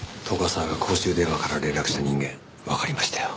沢が公衆電話から連絡した人間わかりましたよ。